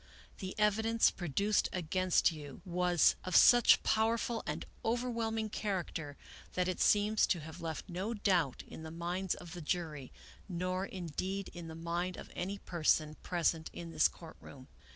The evidence produced against you was of such powerful and overwhelming character that it seems to have left no doubt in the minds of the jury, nor indeed in the mind of any person present in this court room.